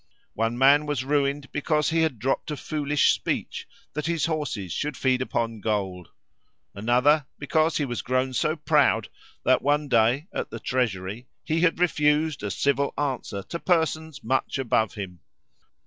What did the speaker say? One man was ruined because he had dropped a foolish speech, that his horses should feed upon gold; another, because he was grown so proud, that one day, at the Treasury, he had refused a civil answer to persons much above him.